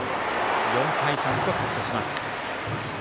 ４対３と勝ち越します。